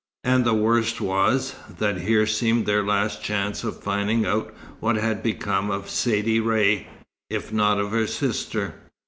And the worst was, that here seemed their last chance of finding out what had become of Saidee Ray, if not of her sister.